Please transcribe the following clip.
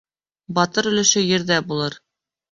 Батыр өлөшө ерҙә булыр.